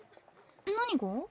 何が？